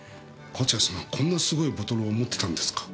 勝谷さんこんなすごいボトルを持ってたんですか。